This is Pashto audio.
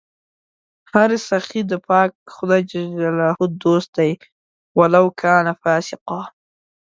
هر سخي د پاک خدای دوست دئ ولو کانَ فاسِقا